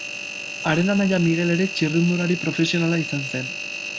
Haren anaia Miguel ere txirrindulari profesionala izan zen.